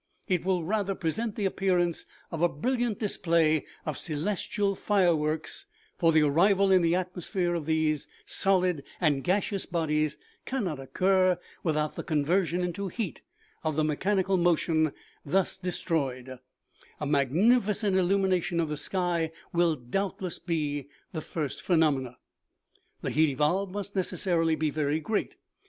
It will rather present the appearance of a brilliant display of celestial fire works, for the arrival in the atmosphere of these solid and gaseous bodies cannot occur without the conversion into heat of the mechanical motion thus destroyed ; a magnificent illumination of the sky will doubtless be the first phenomenon. " The heat evolved must necessarily be very great.